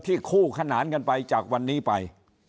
คู่ขนานกันไปจากวันนี้ไป